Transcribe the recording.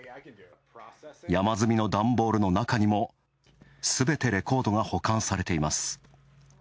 山積みの段ボールの中にもすべてレコードが保管されています。